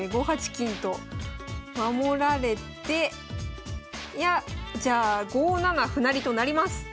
５八金と守られていやじゃあ５七歩成と成ります。